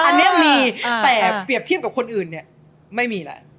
อันนี้มีแต่เปรียบเทียบกับคนอื่นเนี่ยไม่มีแล้ว